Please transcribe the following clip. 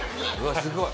すごい。